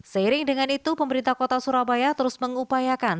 seiring dengan itu pemerintah kota surabaya terus mengupayakan